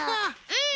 うん！